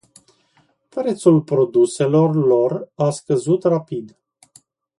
Prețul produselor lor a scăzut rapid.